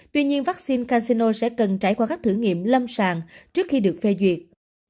tuy nhiên vaccine casino sẽ cần trải qua các thử nghiệm lâm sàng trước khi được phê duyệt